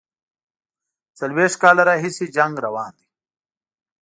څلوېښت کاله راهیسي جنګ روان دی.